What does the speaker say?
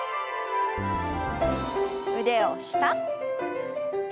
腕を下。